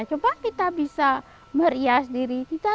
coba kita bisa merias diri